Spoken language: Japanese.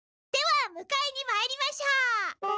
ではむかえにまいりましょう。